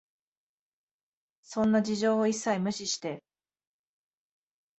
そんな事情を一切無視して、